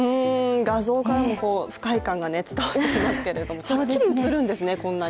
画像からも不快感が伝わってきますけどはっきり映るんですね、こんなに。